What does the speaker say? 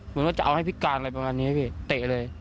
หนึ่งก็จะเอาให้พี่การอะไรประมาณนี้เตะเลย